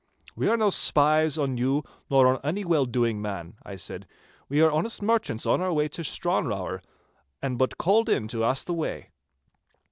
'We are no spies on you nor on any well doing man,' I said. 'We are honest merchants on our way to Stranrawer, and but called in to ask the way.